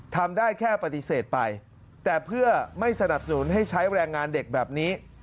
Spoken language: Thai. ทำได้แค่ปฏิเสธไปแต่เพื่อไม่สนับสนุนให้ใช้แรงงานเด็กแบบนี้